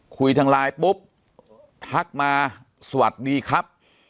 คุยทางไลน์ปุ๊บทักมาสวัสดีครับ